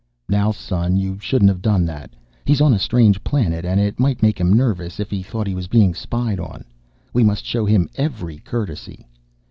"Now, Son, you shouldn't have done that. He's on a strange planet and it might make him nervous if he thought he was being spied on. We must show him every courtesy.